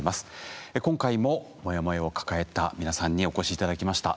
今回もモヤモヤを抱えた皆さんにお越し頂きました。